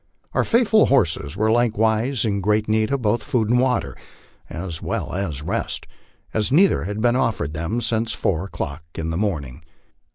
Our faithful horses were likewise in great need of both food and water, as well as rest, as neither had been offered them since four o'clock in the morning.